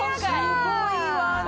すごいわね！